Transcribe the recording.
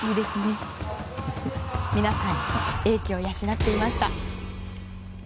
皆さん、英気を養っていました。